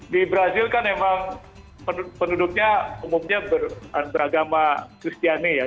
di brazil kan memang penduduknya umumnya beragama kristiani ya